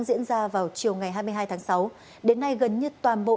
diễn ra vào chiều ngày hai mươi hai tháng sáu đến nay gần như toàn bộ